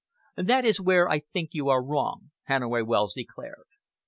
"That is where I think you are wrong," Hannaway Wells declared.